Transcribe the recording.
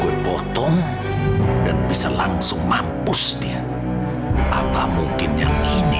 apa kok dokter saya juga udah kelamaan tidurnya oke oke oke